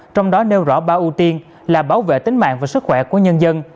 trong đó nêu rõ ba ưu tiên là bảo vệ tính mạng và sức khỏe của nhân dân